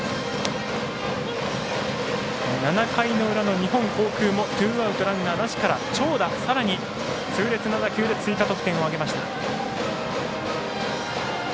７回の裏の日本航空もツーアウト、ランナーなしから長打、さらに痛烈な打球で追加得点を挙げました。